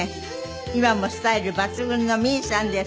今もスタイル抜群の未唯さんです。